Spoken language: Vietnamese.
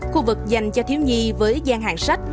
khu vực dành cho thiếu nhi với gian hàng sách